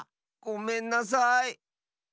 ごめんなさい。